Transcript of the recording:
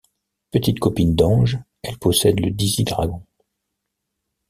Petite copine d'Ange, elle possède le dizhi dragon.